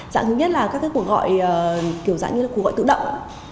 dạng thứ nhất là các cái cuộc gọi kiểu dạng như là cuộc gọi tự động